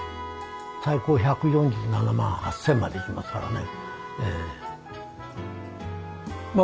最高１４７万８，０００までいきますからね。